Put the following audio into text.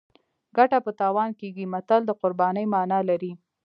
ګټه په تاوان کېږي متل د قربانۍ مانا لري